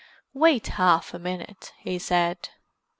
"Wait half a minute," he said.